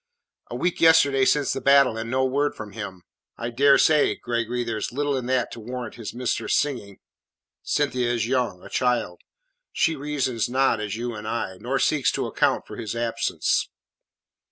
A week yesterday since the battle, and no word from him. I dare swear, Gregory, there's little in that to warrant his mistress singing." "Cynthia is young a child. She reasons not as you and I, nor seeks to account for his absence."